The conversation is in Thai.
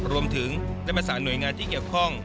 รวมถึงได้ประสานหน่วยงานที่เกี่ยวข้อง